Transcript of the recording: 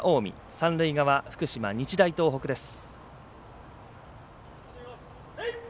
三塁側、福島、日大東北です。